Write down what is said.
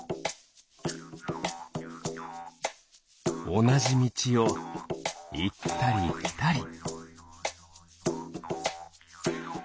おなじみちをいったりきたり。